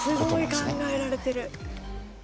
すごい考えられてる。